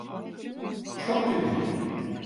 Çok tipik.